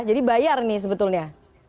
jadi bayar nih sebetulnya